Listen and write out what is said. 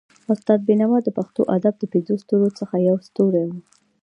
استاد بينوا د پښتو ادب د پنځو ستورو څخه يو ستوری وو.